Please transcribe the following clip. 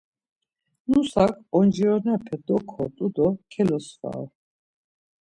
Nusak oncironepe doǩotu do kelosfaru.